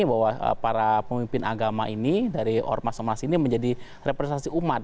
bahwa para pemimpin agama ini dari ormas ormas ini menjadi representasi umat